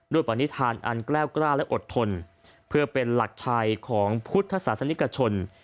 ปณิธานอันแกล้วกล้าและอดทนเพื่อเป็นหลักชัยของพุทธศาสนิกชน